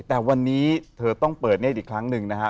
แต่วันนี้เธอต้องเปิดเนธอีกครั้งหนึ่งนะฮะ